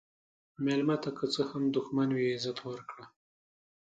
مېلمه ته که څه هم دښمن وي، عزت ورکړه.